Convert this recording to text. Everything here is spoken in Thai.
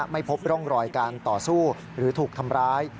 ไม่พบร่องรอยการต่อสู้หรือถูกทำร้าย